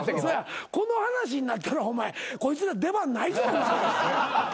この話になったらお前こいつら出番ないぞ。